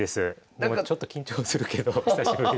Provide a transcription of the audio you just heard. でもちょっと緊張するけど久しぶりで。